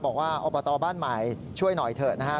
บอกว่าอบ้านใหม่ช่วยหน่อยเถอะ